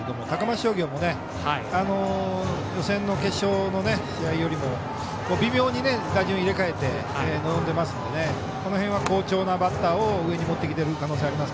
商業も予選の決勝の試合よりも微妙に打順を入れ替えて臨んでますのでこの辺は好調なバッターを上に持ってきている可能性があります。